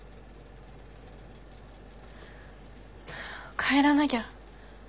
・帰らなぎゃ。